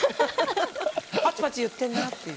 パチパチいってるなっていう。